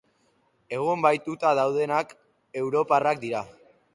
Egun, bahituta daudenak europarrak dira.